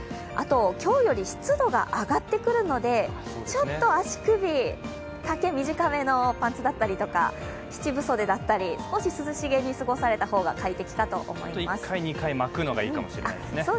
今日より湿度が上がってくるのでちょっと足首、丈短めのパンツだったりとか七分袖だったり、少し涼しげに過ごされた方が１回、２回、巻くのがいいかも。